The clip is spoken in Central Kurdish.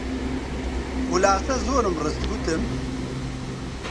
خولاسە زۆرم ڕست، گوتم: